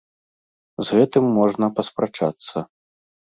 З гэтым можна паспрачацца.